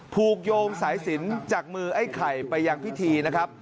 โยงสายสินจากมือไอ้ไข่ไปยังพิธีนะครับ